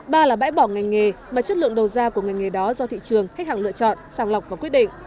ba là bãi bỏ ngành nghề mà chất lượng đầu ra của ngành nghề đó do thị trường khách hàng lựa chọn sàng lọc và quyết định